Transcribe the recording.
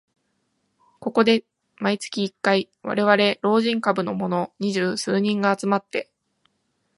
ここで毎月一回、われわれ老人株のもの二十数人が集まって